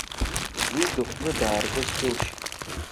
Уи дыхәны дааргоз џьылшьеит.